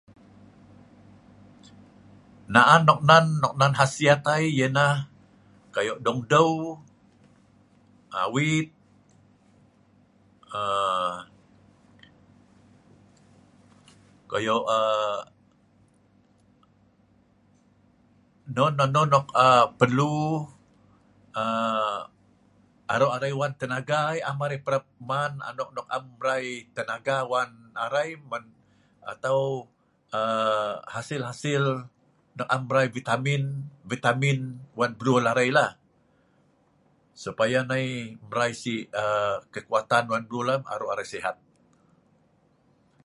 Naan noknan nan kasiat ai, ianah ko ayo dung deu', awit, aa koh ayo aa non a non nok aa perlu aa aro' arai wan tenaga, am arai parap man anok nok am mrai tenaga wan arai man atau aa hasil-hasil nok am mrai vitamin, vitamin wan brul arailah supaya nai mrai si aa kekuatan wan brul arai, aro' arai sehat.